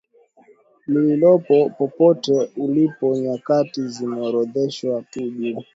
lililopo popote ulipo Nyakati zimeorodheshwa tu juu